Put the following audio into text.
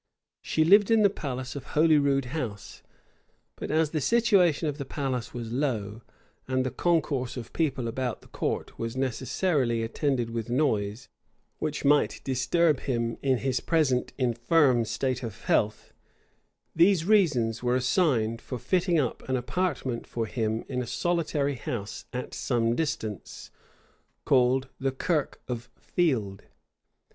She lived in the palace of Holyrood House; but as the situation of the palace was low, and the concourse of people about the court was necessarily attended with noise, which might disturb him in his present infirm state of health, these reasons were assigned for fitting up an apartment for him in a solitary house at some distance, called the Kirk of Field.